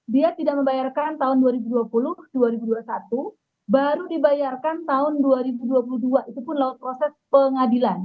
dia tidak membayarkan tahun dua ribu dua puluh dua ribu dua puluh satu baru dibayarkan tahun dua ribu dua puluh dua itu pun lewat proses pengadilan